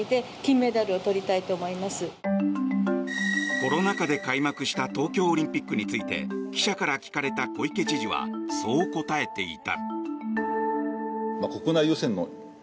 コロナ禍で開幕した東京オリンピックについて記者から聞かれた小池知事はそう答えていた。